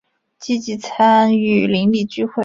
积极参与邻里聚会